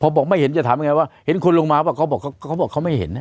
พอบอกไม่เห็นจะถามยังไงว่าเห็นคนลงมาป่ะเขาบอกเขาบอกเขาไม่เห็นนะ